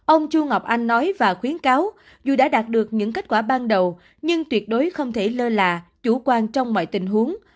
ông chu ngọc anh nói và khuyến cáo dù đã đạt được những kết quả ban đầu nhưng tuyệt đối không thể lơ là chủ quan trong mọi tình huống